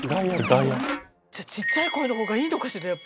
ちっちゃい声の方がいいのかしらやっぱり。